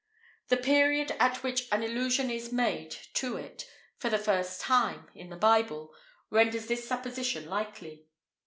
The period at which an allusion is made to it for the first time, in the Bible, renders this supposition likely.